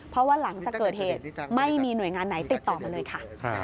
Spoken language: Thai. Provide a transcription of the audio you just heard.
เพราะว่าหลังจากเกิดเหตุไม่มีหน่วยงานไหนติดต่อมาเลยค่ะ